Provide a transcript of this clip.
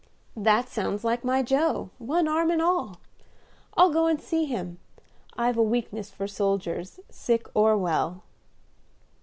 "That sounds like my Joe, one arm and all. I'll go and see him; I've a weakness for soldiers, sick or well."